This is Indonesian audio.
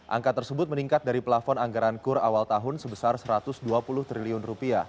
angka tersebut meningkat dari pelafon anggaran kur awal tahun sebesar rp satu ratus dua puluh triliun